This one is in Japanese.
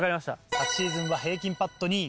昨シーズンは平均パット２位。